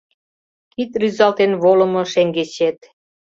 Кид рӱзалтен волымо шеҥгечет